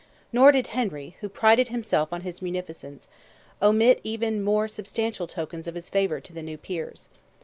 Nor did Henry, who prided himself on his munificence, omit even more substantial tokens of his favour to the new Peers.